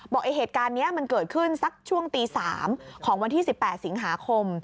เหตุการณ์นี้มันเกิดขึ้นสักช่วงตี๓ของวันที่๑๘สิงหาคม